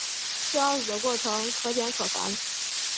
设鏊子的过程可简可繁。